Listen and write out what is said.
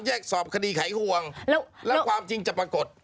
แยกสอบคดีไขควงแล้วความจริงจะปรากฏ